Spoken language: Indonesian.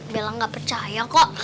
belang gak percaya kok